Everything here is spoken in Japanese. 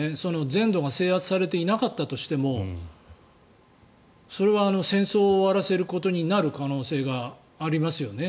全土が制圧されていなかったとしてもそれは戦争を終わらせることになる可能性がありますよね。